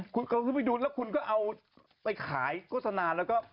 คุณเอาขึ้นไปดูแล้วคุณก็เอาไปขายโฆษณาแล้วก็